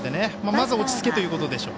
まず落ち着けということでしょう。